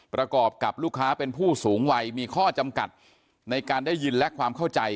ประกอบกับลูกค้าเป็นผู้สูงวัยมีข้อจำกัดในการได้ยินและความเข้าใจ